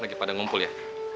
lagi pada ngumpul ya